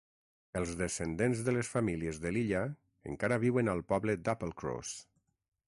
Els descendents de les famílies de l'illa encara viuen al poble d'Applecross.